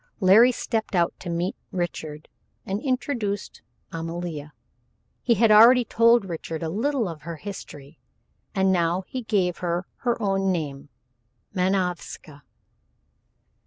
Larry stepped out to meet Richard and introduced Amalia. He had already told Richard a little of her history, and now he gave her her own name, Manovska.